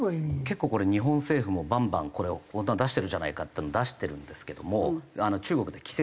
結構これ日本政府もバンバンこれを本当は出してるじゃないかっていうのを出してるんですけども中国で規制されてますので。